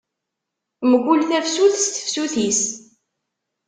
Mkul tafsut s tefsut-is.